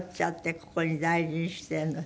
ここに大事にしてるのに。